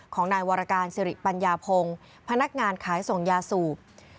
ของนายวรการสิริปัญญาพงศ์พนักงานขายส่งยาสูบ